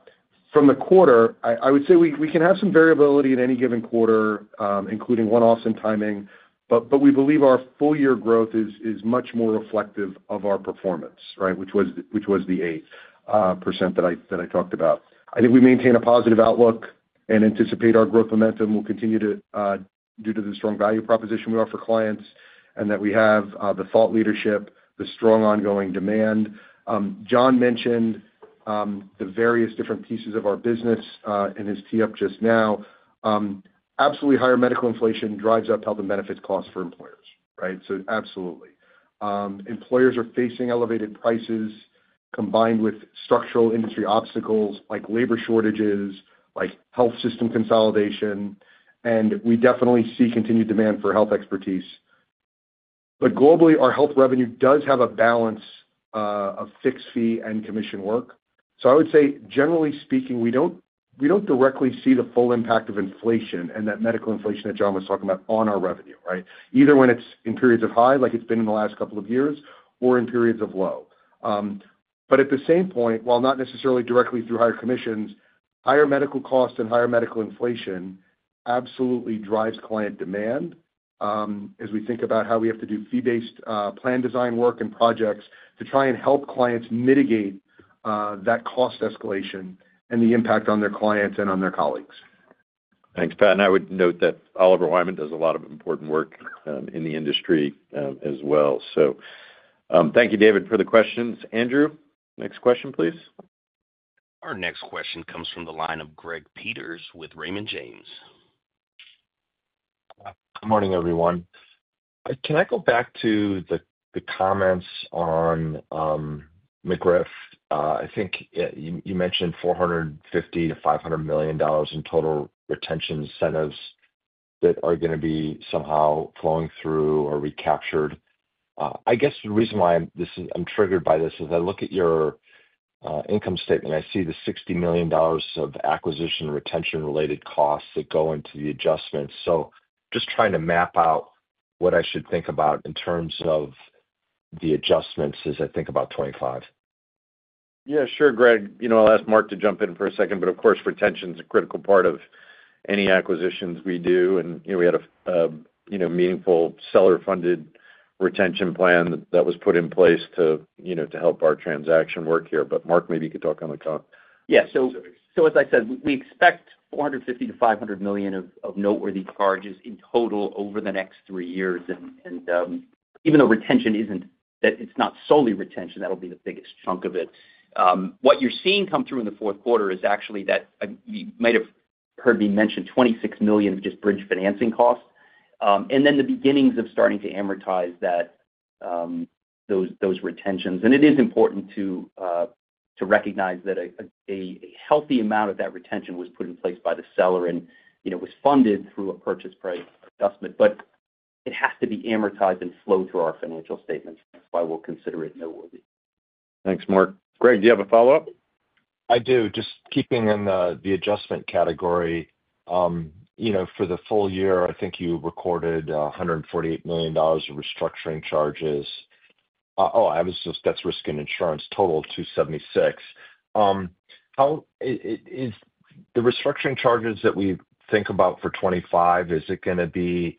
from the quarter, I would say we can have some variability in any given quarter, including one-offs and timing. but we believe our full-year growth is much more reflective of our performance, right, which was the 8% that I talked about. I think we maintain a positive outlook and anticipate our growth momentum will continue due to the strong value proposition we offer clients and that we have the thought leadership, the strong ongoing demand. John mentioned the various different pieces of our business in his tee-up just now. Absolutely, higher medical inflation drives up health and benefits costs for employers, right? so absolutely. Employers are facing elevated prices combined with structural industry obstacles like labor shortages, like health system consolidation. and we definitely see continued demand for health expertise. But globally, our health revenue does have a balance of fixed fee and commission work. So I would say, generally speaking, we don't directly see the full impact of inflation and that medical inflation that John was talking about on our revenue, right? Either when it's in periods of high, like it's been in the last couple of years, or in periods of low. But at the same point, while not necessarily directly through higher commissions, higher medical costs and higher medical inflation absolutely drives client demand as we think about how we have to do fee-based plan design work and projects to try and help clients mitigate that cost escalation and the impact on their clients and on their colleagues. Thanks, Pat. And I would note that Oliver Wyman does a lot of important work in the industry as well. So thank you, David, for the questions. Andrew, next question, please. Our next question comes from the line of Greg Peters with Raymond James. Good morning, everyone. Can I go back to the comments on McGriff? I think you mentioned $450-$500 million in total retention incentives that are going to be somehow flowing through or recaptured. I guess the reason why I'm triggered by this is I look at your income statement, and I see the $60 million of acquisition retention-related costs that go into the adjustments. So just trying to map out what I should think about in terms of the adjustments as I think about 2025. Yeah, sure, Greg. I'll ask Mark to jump in for a second. But of course, retention is a critical part of any acquisitions we do. And we had a meaningful seller-funded retention plan that was put in place to help our transaction work here. But Mark, maybe you could talk on the conversation. Yeah. So as I said, we expect $450-$500 million of noteworthy charges in total over the next three years. And even though retention isn't that it's not solely retention, that'll be the biggest chunk of it. What you're seeing come through in the fourth quarter is actually that you might have heard me mention $26 million of just bridge financing costs and then the beginnings of starting to amortize those retentions. And it is important to recognize that a healthy amount of that retention was put in place by the seller and was funded through a purchase price adjustment. But it has to be amortized and flow through our financial statements. That's why we'll consider it noteworthy. Thanks, Mark. Greg, do you have a follow-up? I do. Just keeping in the adjustment category, for the full year, I think you recorded $148 million of restructuring charges. Oh, I was just—that's risk and insurance total of $276. The restructuring charges that we think about for 2025, is it going to be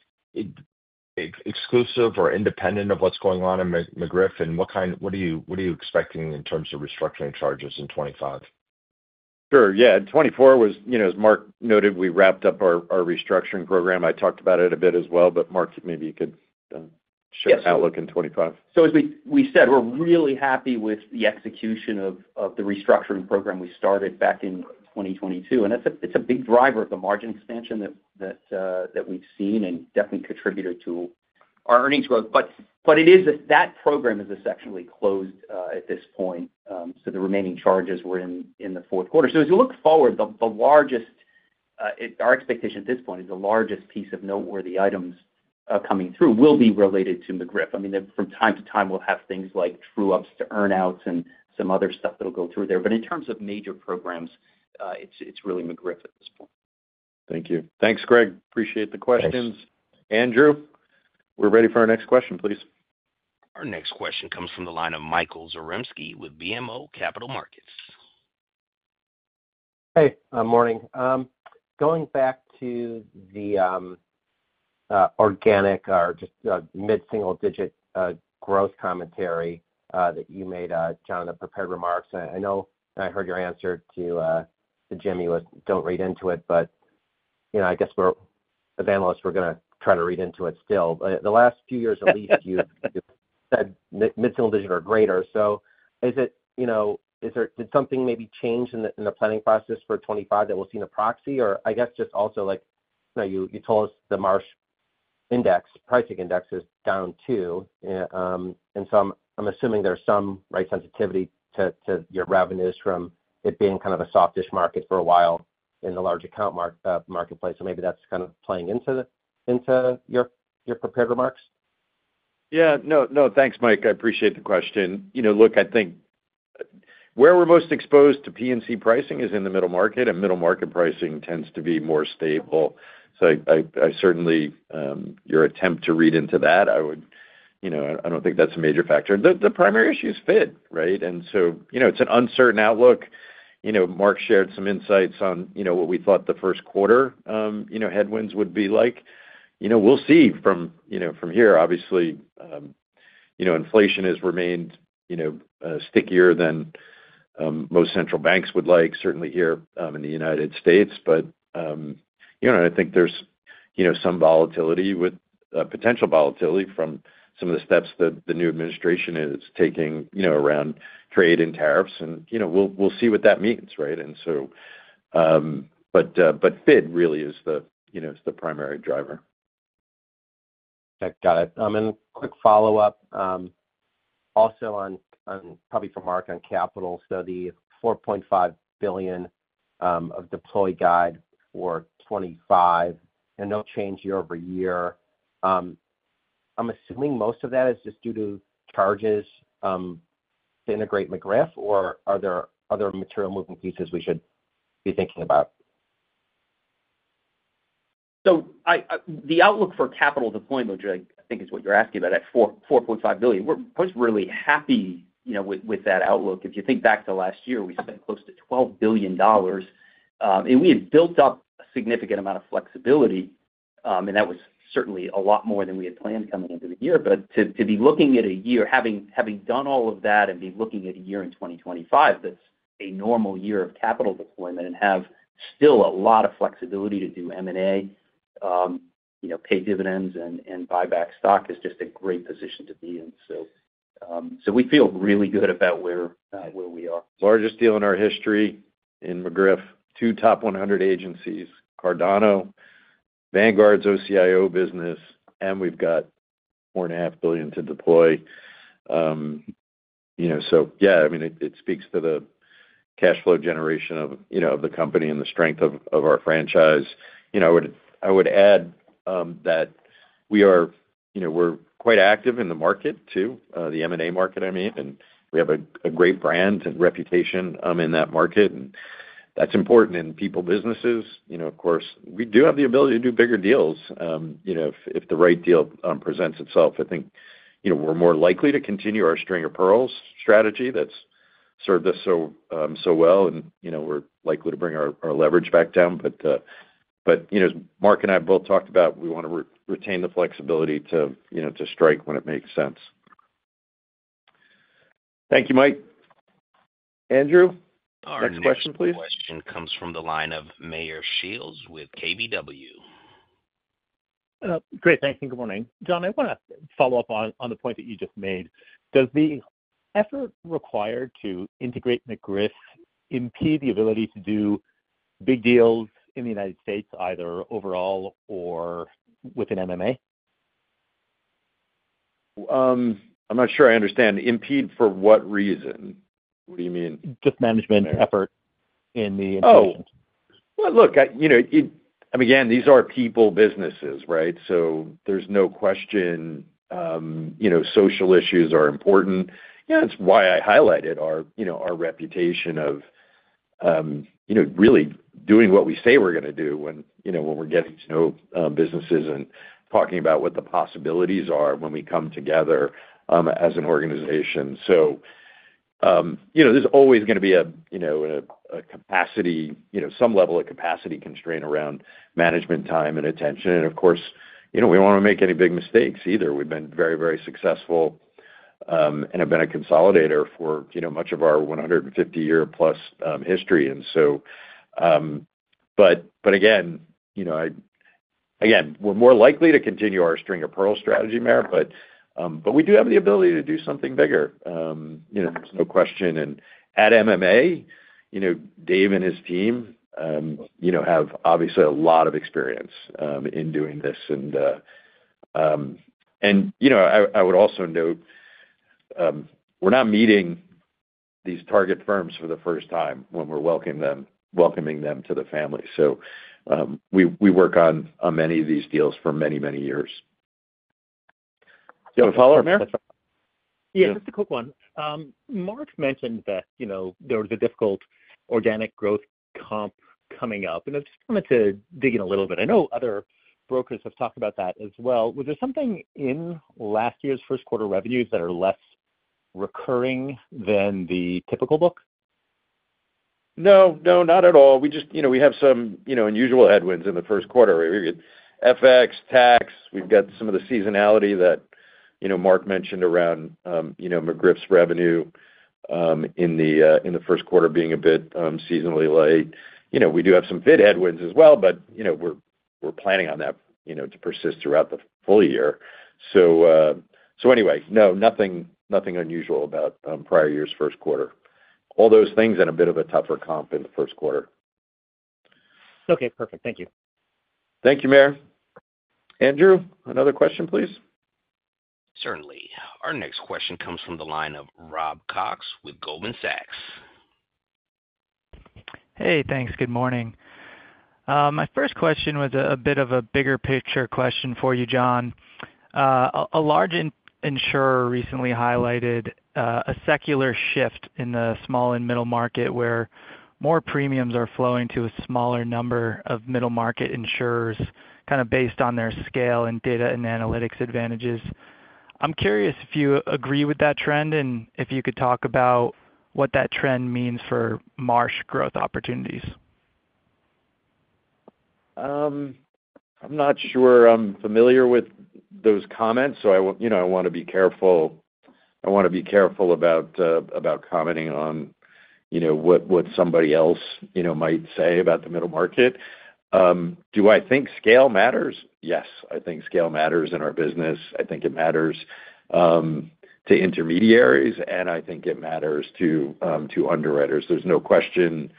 exclusive or independent of what's going on in McGriff? And what are you expecting in terms of restructuring charges in 2025? Sure. Yeah. In 2024, as Mark noted, we wrapped up our restructuring program. I talked about it a bit as well, but Mark, maybe you could share the outlook in 2025. So as we said, we're really happy with the execution of the restructuring program we started back in 2022. And it's a big driver of the margin expansion that we've seen and definitely contributed to our earnings growth. But that program is essentially closed at this point. So the remaining charges were in the fourth quarter. So as we look forward, our expectation at this point is the largest piece of noteworthy items coming through will be related to McGriff. I mean, from time to time, we'll have things like true-ups to earnouts and some other stuff that'll go through there. But in terms of major programs, it's really McGriff at this point. Thank you. Thanks, Greg. Appreciate the questions. Andrew, we're ready for our next question, please. Our next question comes from the line of Michael Zaremski with BMO Capital Markets. Hey, morning. Going back to the organic or just mid-single-digit growth commentary that you made, John, in the prepared remarks. I know I heard your answer to Jimmy was, "Don't read into it." But I guess as analysts, we're going to try to read into it still. The last few years, at least, you said mid-single digit or greater. So did something maybe change in the planning process for 2025 that we'll see in the proxy? Or I guess just also you told us the Marsh Index pricing index is down too. And so I'm assuming there's some rate sensitivity to your revenues from it being kind of a softish market for a while in the large account marketplace. So maybe that's kind of playing into your prepared remarks. Yeah. No, thanks, Michael. I appreciate the question. Look, I think where we're most exposed to P&C pricing is in the middle market, and middle market pricing tends to be more stable. So certainly, your attempt to read into that, I don't think that's a major factor. The primary issue is fiduciary, right? And so it's an uncertain outlook. Mark shared some insights on what we thought the first quarter headwinds would be like. We'll see from here. Obviously, inflation has remained stickier than most central banks would like, certainly here in the United States. But I think there's some volatility with potential volatility from some of the steps that the new administration is taking around trade and tariffs. And we'll see what that means, right? And so but fiduciary really is the primary driver. Got it. And quick follow-up also on probably for Mark on capital, so the $4.5 billion of deploy guide for 2025, and they'll change year over year. I'm assuming most of that is just due to charges to integrate McGriff, or are there other material moving pieces we should be thinking about? So the outlook for capital deployment, which I think is what you're asking about, at $4.5 billion, we're really happy with that outlook. If you think back to last year, we spent close to $12 billion. And we had built up a significant amount of flexibility. And that was certainly a lot more than we had planned coming into the year. But to be looking at a year, having done all of that, and be looking at a year in 2025 that's a normal year of capital deployment and have still a lot of flexibility to do M&A, pay dividends, and buy back stock is just a great position to be in. So we feel really good about where we are. Largest deal in our history in McGriff, two top 100 agencies, Cardano, Vanguard's OCIO business, and we've got $4.5 billion to deploy. So yeah, I mean, it speaks to the cash flow generation of the company and the strength of our franchise. I would add that we're quite active in the market too, the M&A market, I mean. And we have a great brand and reputation in that market. And that's important in people businesses. Of course, we do have the ability to do bigger deals if the right deal presents itself. I think we're more likely to continue our string of pearls strategy that's served us so well. And we're likely to bring our leverage back down. But Mark and I have both talked about we want to retain the flexibility to strike when it makes sense. Thank you, Michael. Andrew, next question, please. All right. Our next question comes from the line of Meyer Shields with KBW. Great. Thanks. And good morning. John, I want to follow up on the point that you just made. Does the effort required to integrate McGriff impede the ability to do big deals in the United States, either overall or within MMA? I'm not sure I understand. Impede for what reason? What do you mean? Just management effort in the integration. Oh. Well, look, again, these are people businesses, right? So there's no question social issues are important. It's why I highlighted our reputation of really doing what we say we're going to do when we're getting to know businesses and talking about what the possibilities are when we come together as an organization. So there's always going to be a capacity, some level of capacity constraint around management time and attention. And of course, we don't want to make any big mistakes either. We've been very, very successful and have been a consolidator for much of our 150-year-plus history. And so, but again, we're more likely to continue our string of pearls strategy, Meyer. But we do have the ability to do something bigger. There's no question. And at MMA, Dave and his team have obviously a lot of experience in doing this. And I would also note we're not meeting these target firms for the first time when we're welcoming them to the family. So we work on many of these deals for many, many years. Do you have a follow-up, Meyer? Yeah, just a quick one. Mark mentioned that there was a difficult organic growth comp coming up. And I just wanted to dig in a little bit. I know other brokers have talked about that as well. Was there something in last year's first quarter revenues that are less recurring than the typical book? No, no, not at all. We have some unusual headwinds in the first quarter. We get FX, tax. We've got some of the seasonality that Mark mentioned around McGriff's revenue in the first quarter being a bit seasonally late. We do have some FID headwinds as well, but we're planning on that to persist throughout the full year. So anyway, no, nothing unusual about prior year's first quarter. All those things and a bit of a tougher comp in the first quarter. Okay. Perfect. Thank you. Thank you, Meyer. Andrew, another question, please. Certainly. Our next question comes from the line of Rob Cox with Goldman Sachs. Hey, thanks. Good morning. My first question was a bit of a bigger picture question for you, John. A large insurer recently highlighted a secular shift in the small and middle market where more premiums are flowing to a smaller number of middle market insurers kind of based on their scale and data and analytics advantages. I'm curious if you agree with that trend and if you could talk about what that trend means for Marsh growth opportunities. I'm not sure I'm familiar with those comments, so I want to be careful. I want to be careful about commenting on what somebody else might say about the middle market. Do I think scale matters? Yes, I think scale matters in our business. I think it matters to intermediaries, and I think it matters to underwriters. There's no question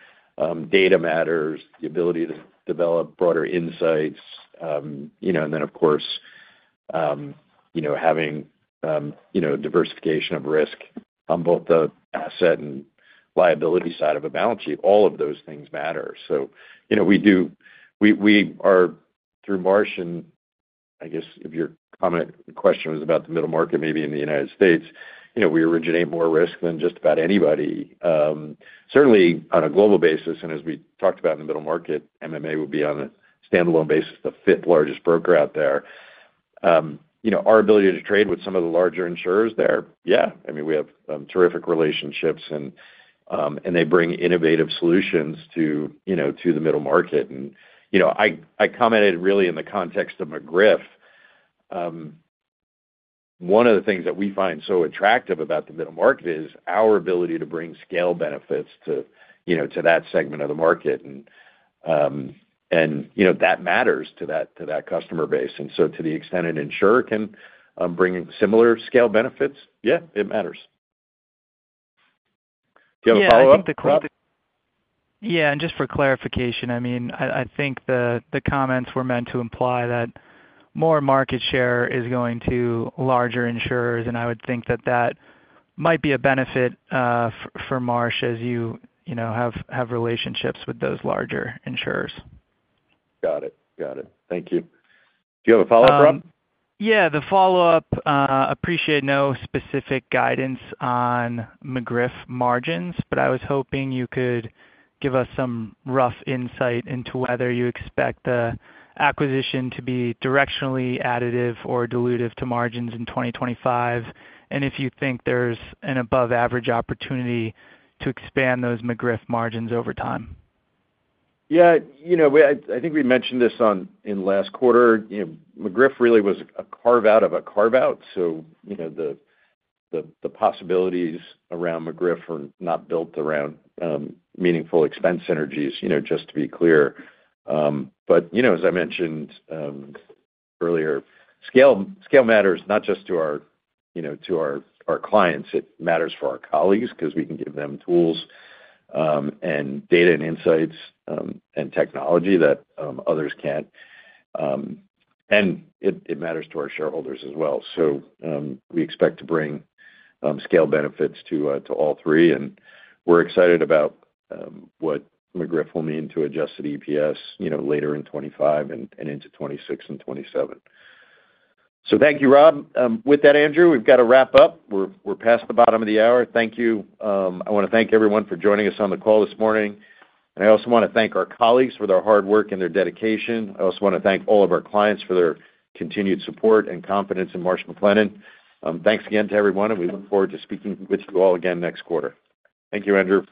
data matters, the ability to develop broader insights. And then, of course, having diversification of risk on both the asset and liability side of a balance sheet, all of those things matter. So we do, we are through Marsh, and I guess if your comment question was about the middle market, maybe in the United States, we originate more risk than just about anybody. Certainly, on a global basis, and as we talked about in the middle market, MMA would be on a standalone basis, the fifth largest broker out there. Our ability to trade with some of the larger insurers there, yeah. I mean, we have terrific relationships, and they bring innovative solutions to the middle market. And I commented really in the context of McGriff. One of the things that we find so attractive about the middle market is our ability to bring scale benefits to that segment of the market. And that matters to that customer base. And so to the extent an insurer can bring similar scale benefits, yeah, it matters. Do you have a follow-up? Yeah, I think the question, yeah. And just for clarification, I mean, I think the comments were meant to imply that more market share is going to larger insurers. And I would think that that might be a benefit for Marsh as you have relationships with those larger insurers. Got it. Got it. Thank you. Do you have a follow-up, Rob? Yeah, the follow-up. Appreciate no specific guidance on McGriff margins, but I was hoping you could give us some rough insight into whether you expect the acquisition to be directionally additive or dilutive to margins in 2025, and if you think there's an above-average opportunity to expand those McGriff margins over time. Yeah. I think we mentioned this in last quarter. McGriff really was a carve-out of a carve-out. So the possibilities around McGriff are not built around meaningful expense synergies, just to be clear. But as I mentioned earlier, scale matters not just to our clients. It matters for our colleagues because we can give them tools and data and insights and technology that others can't. And it matters to our shareholders as well. So we expect to bring scale benefits to all three. And we're excited about what McGriff will mean to adjust the EPS later in 2025 and into 2026 and 2027. So thank you, Rob. With that, Andrew, we've got to wrap up. We're past the bottom of the hour. Thank you. I want to thank everyone for joining us on the call this morning. And I also want to thank our colleagues for their hard work and their dedication. I also want to thank all of our clients for their continued support and confidence in Marsh & McLennan. Thanks again to everyone, and we look forward to speaking with you all again next quarter. Thank you, Andrew.